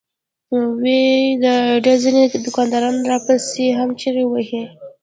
وې ئې " د اډې ځنې دوکانداران راپسې هم چغې وهي